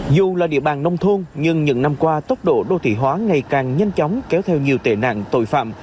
dù là địa bàn nông thôn nhưng những năm qua tốc độ đô thị hóa ngày càng nhanh chóng kéo theo nhiều tệ nạn tội phạm